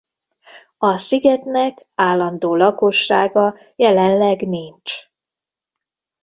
A szigetnek állandó lakossága jelenleg nincs.